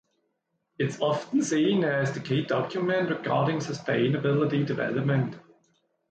It is often seen as the key document regarding sustainable development.